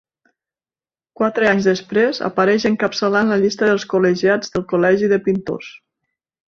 Quatre anys després, apareix encapçalant la llista dels col·legiats del Col·legi de Pintors.